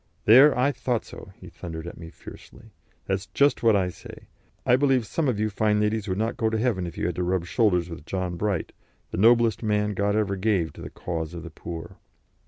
"There, I thought so!" he thundered at me fiercely. "That's just what I say. I believe some of you fine ladies would not go to heaven if you had to rub shoulders with John Bright, the noblest man God ever gave to the cause of the poor."